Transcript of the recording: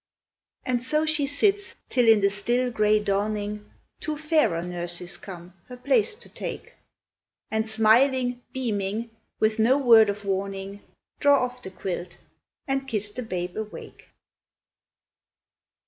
And so she sits, till in the still, gray dawning Two fairer nurses come, her place to take, And smiling, beaming, with no word of warning, Draw off the quilt, and kiss the babe awake.